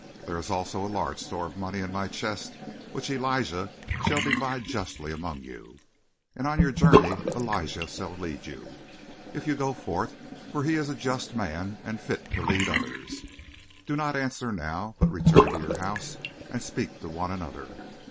There is also a large store of money in my chest which Elijah shall divide justly among you. And on your journey Elijah shall lead you, if you go forth, for he is a just man and fit to lead others. Do not answer now, but return to your house and speak to one another.